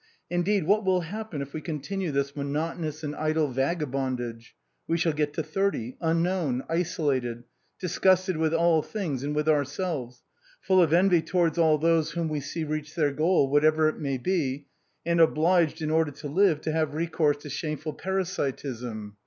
Indeed, what will happen if we continue this monotonous and idle vagabondage ? We shall get to thirty, unknown, isolated, disgusted with all things and with our selves, full of envy towards all those whom we see reach their goal, whatever it may bo, and obliged, in order to live, to have recourse to shameful parasitism.